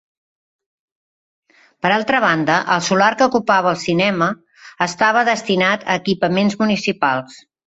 Per altra banda, el solar que ocupava el cinema estava destinat a equipaments municipals.